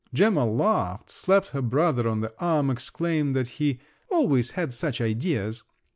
Gemma laughed, slapped her brother on the arm, exclaimed that he "always had such ideas!"